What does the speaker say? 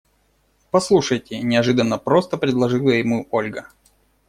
Послушайте, – неожиданно просто предложила ему Ольга.